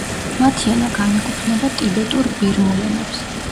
მათი ენა განეკუთვნება ტიბეტურ-ბირმულ ენებს.